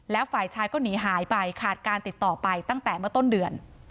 แล้วฝ่ายชายก็หนีหายไปขาดการติดต่อไปตั้งแต่เมื่อต้นเดือน